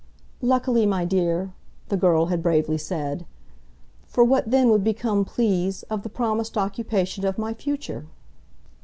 "Luckily, my dear," the girl had bravely said; "for what then would become, please, of the promised occupation of my future?"